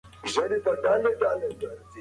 بشپړوونکې دانې د خوراک برخه وي.